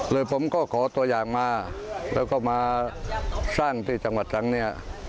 ผมก็ขอตัวอย่างมาแล้วก็มาสร้างที่จังหวัดตรังเนี่ย